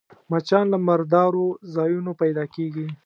مچان له مردارو ځایونو پيدا کېږي